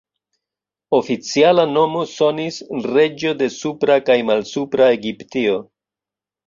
Oficiala nomo sonis ""reĝo de Supra kaj Malsupra Egiptio"".